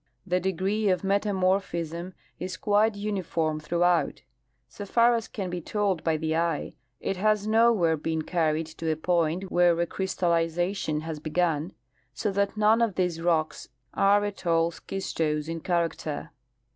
The degree of meta morphism is quite uniform throughout. 80 far as can be told by the eye, it has nowhere been carried to a point where recrystal lization has begun, so that none of these rocks are at all schistose in character.